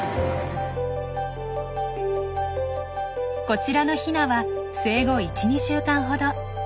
こちらのヒナは生後１２週間ほど。